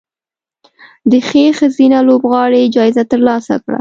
د ښې ښځینه لوبغاړې جایزه ترلاسه کړه